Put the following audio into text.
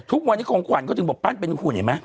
ทุกวันที่ของคนก็จะบอกปั้นเป็นหุ่นเห็นไหมอะ